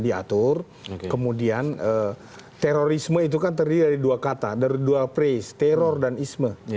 diatur kemudian terorisme itu kan terdiri dari dua kata dari dua press teror dan isme